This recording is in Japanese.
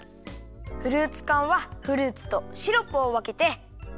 フルーツかんはフルーツとシロップをわけて。